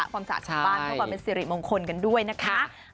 ความสะอาดบ้านเพราะว่ามันสิริมงคลกันด้วยนะคะ